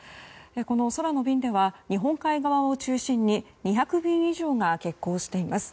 この空の便では日本海側を中心に２００便以上が欠航しています。